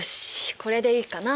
これでいいかな。